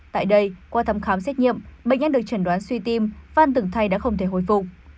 tại đây qua thăm khám xét nghiệm bệnh nhân được trần đoán suy tim văn từng thay đã không thể hồi phục